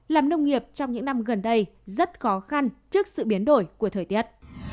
làm nông nghiệp trong những năm gần đây rất khó khăn trước sự biến đổi của thời tiết